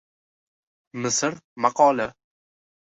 Misr maqoli